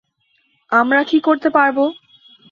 আমরা কি করতে পারব?